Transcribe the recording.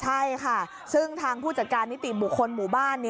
ใช่ค่ะซึ่งทางผู้จัดการนิติบุคคลหมู่บ้าน